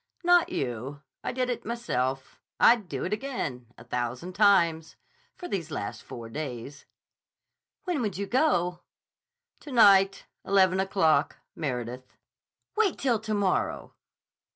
"Not you. I did it myself. I'd do it again—a thousand times—for these last four days." "When would you go?" "To night. Eleven o'clock. Meredith." "Wait till to morrow."